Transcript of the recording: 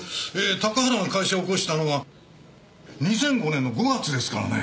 高原が会社を興したのは２００５年の５月ですからね。